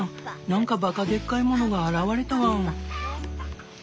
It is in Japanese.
何かばかでっかいものが現れたワン！